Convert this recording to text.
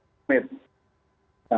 jadi kita harus mengambil langkah